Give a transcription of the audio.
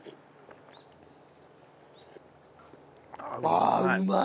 ああうまい！